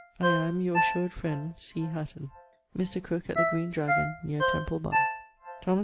I am, your assured freind, C. HATTON. Mr. Crooke, at the Green Dragon, nere Temple bar. _Notes.